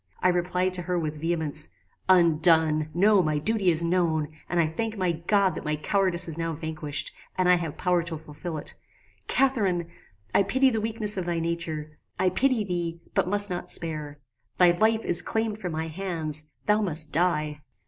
I replied to her with vehemence "Undone! No; my duty is known, and I thank my God that my cowardice is now vanquished, and I have power to fulfil it. Catharine! I pity the weakness of thy nature: I pity thee, but must not spare. Thy life is claimed from my hands: thou must die!"